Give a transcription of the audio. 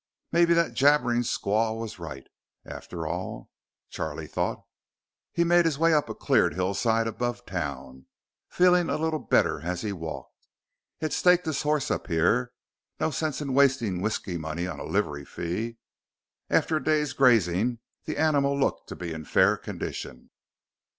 Maybe that jabbering squaw was right, after all, Charlie thought. He made his way up a cleared hillside above town, feeling a little better as he walked. He had staked his horse up here no sense in wasting whisky money on a livery fee. After a day's grazing, the animal looked to be in fair condition.